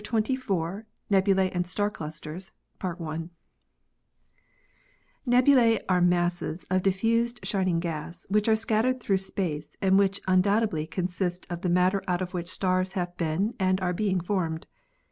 CHAPTER XXIV NEBULAE AND STAR CLUSTERS Nebula are masses of diffused shining gas which are scattered through space and which undoubtedly consist of the matter out of which stars have been and are being formed.